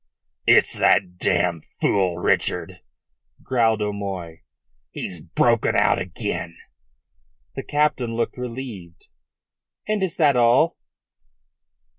"It's that damned fool Richard," growled O'Moy. "He's broken out again." The captain looked relieved. "And is that all?"